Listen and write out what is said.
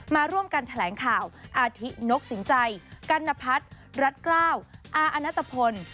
มาร่วมกันแถลงข่าวอาทินกสินใจกัณพัฒน์รัฐกล้าวอาอนัตภพล